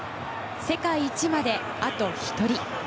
世界一まであと１人。